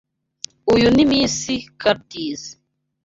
Uyu ni Miss Curtis.